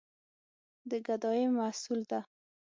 د ګدايي محصول ده.